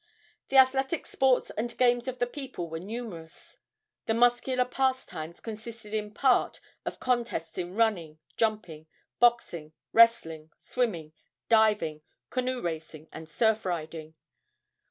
The athletic sports and games of the people were numerous. The muscular pastimes consisted in part of contests in running, jumping, boxing, wrestling, swimming, diving, canoe racing and surf riding.